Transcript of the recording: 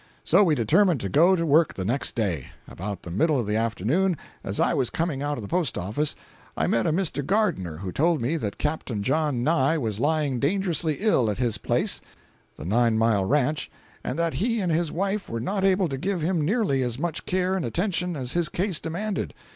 So we determined to go to work the next day. About the middle of the afternoon, as I was coming out of the post office, I met a Mr. Gardiner, who told me that Capt. John Nye was lying dangerously ill at his place (the "Nine Mile Ranch"), and that he and his wife were not able to give him nearly as much care and attention as his case demanded.